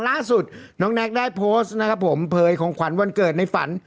ล่าสุดน้องแน็กได้โพสต์นะครับผมเผยของขวัญวันเกิดในฝัน